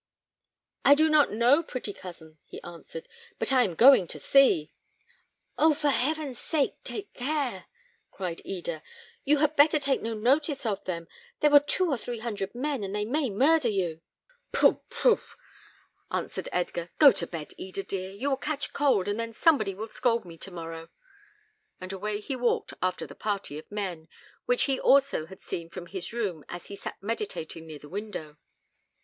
"I do not know, pretty cousin," he answered; "but I am going to see." "Oh! for heaven's sake, take care," cried Eda. "You had better take no notice of them. There were two or three hundred men, and they may murder you." "Pooh! pooh!" answered Edgar. "Go to bed, Eda, dear; you will catch cold, and then somebody will scold me to morrow;" and away he walked after the party of men, which he also had seen from his room as he sat meditating near the window.